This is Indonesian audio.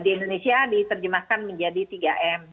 di indonesia diterjemahkan menjadi tiga m